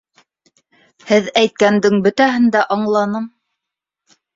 Һеҙ әйткәндең бөтәһен дә аңланым.